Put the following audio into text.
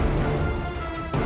aku akan buktikan